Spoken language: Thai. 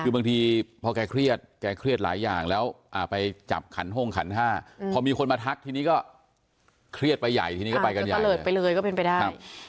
คือบางทีพอแกเครียดแกเครียดหลายอย่างแล้วไปจับขันห้องขันห้าพอมีคนมาทักทีนี้ก็เครียดไปใหญ่ทีนี้ก็ไปกันใหญ่ตะเลิศไปเลยก็เป็นไปได้